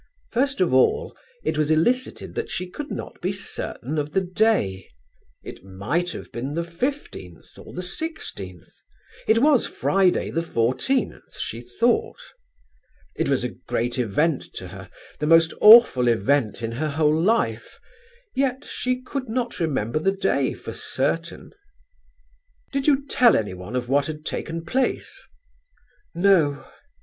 First of all it was elicited that she could not be certain of the day; it might have been the 15th or the 16th: it was Friday the 14th, she thought.... It was a great event to her; the most awful event in her whole life; yet she could not remember the day for certain. "Did you tell anyone of what had taken place?" "No."